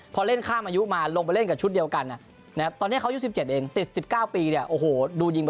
พอเล่นข้ามอายุมาลงไปเล่นกับชุดเดียวกัน